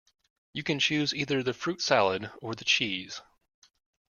You can choose either the fruit salad or the cheese